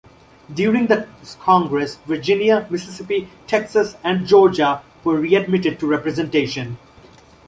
During this Congress, Virginia, Mississippi, Texas, and Georgia were readmitted to representation.